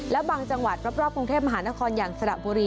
และบางจังหวัดรอบกรุงเทพมหานครอย่างสระบุรี